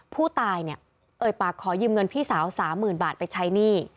ผู้ตายเนี่ยเอ่ยปากขอยืมเงินพี่สาว๓๐๐๐บาทไปใช้หนี้